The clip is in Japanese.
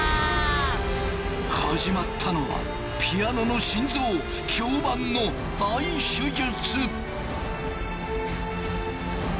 始まったのはピアノの心臓響板の大手術。